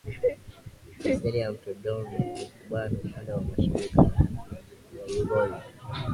beseni za mto Don na mto Kuban Upande wa mashariki wa Ural